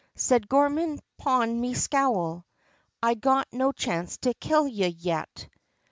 Said Gorman "Pon me sowl, I got no chance to kill ye yet!"